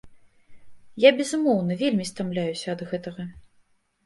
Я, безумоўна, вельмі стамляюся ад гэтага.